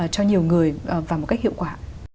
cho nhiều người và một cách hiệu quả